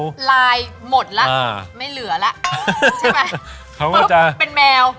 ลายหมดแล้วไม่เหลือแล้วใช่ไหมปุ๊บเป็นแมว